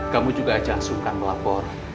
kamu juga ajak sungkan melapor